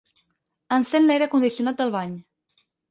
Encén l'aire condicionat del bany.